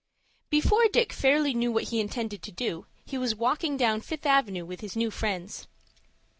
Before Dick fairly knew what he intended to do, he was walking down Fifth Avenue with his new friends.